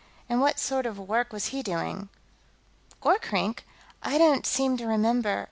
"And what sort of work was he doing?" "Gorkrink? I don't seem to remember....